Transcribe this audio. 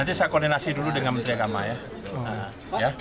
nanti saya koordinasi dulu dengan menteri agama ya